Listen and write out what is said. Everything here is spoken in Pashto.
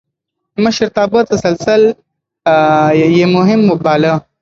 د مشرتابه تسلسل يې مهم باله.